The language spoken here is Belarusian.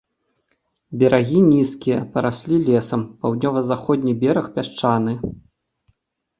Берагі нізкія, параслі лесам, паўднёва-заходні бераг пясчаны.